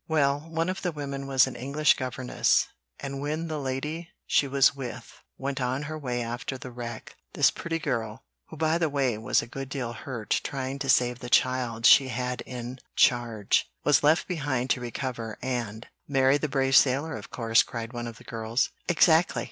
Well, one of the women was an English governess, and when the lady she was with went on her way after the wreck, this pretty girl (who by the way was a good deal hurt trying to save the child she had in charge) was left behind to recover, and " "Marry the brave sailor of course," cried one of the girls. "Exactly!